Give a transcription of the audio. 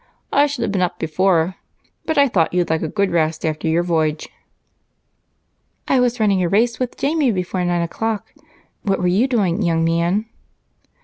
I should have been up before, but I thought you'd like a good rest after your voyage." "I was running a race with Jamie before nine o'clock. What were you doing, young man?"